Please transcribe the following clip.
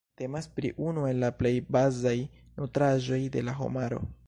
Temas pri unu el la plej bazaj nutraĵoj de la homaro.